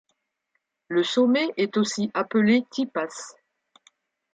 Le sommet est aussi appelé Tipas.